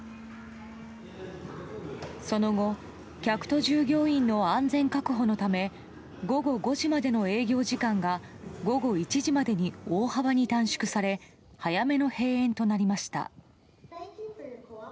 その後、客と従業員の安全確保のため午後５時までの営業時間が午後１時までに大幅に短縮され早めの閉園となりました。